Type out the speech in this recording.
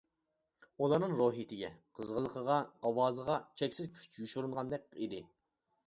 ئۇلارنىڭ روھىيىتىگە، قىزغىنلىقىغا، ئاۋازىغا چەكسىز كۈچ يوشۇرۇنغاندەك ئىدى.